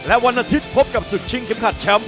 และวันอาทิตย์พบกับศึกชิงเข็มขัดแชมป์